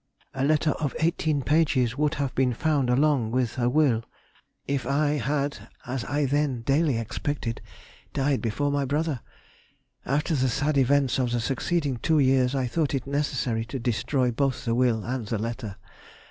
[A letter of eighteen pages would have been found along with a will, if I had (as I then daily expected) died before my brother. After the sad events of the succeeding two years, I thought it necessary to destroy both the will and the letter.